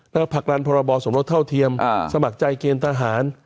และผลักดันพรบสมรสเท่าเทียมสมัครใจเกณฑ์ทหาร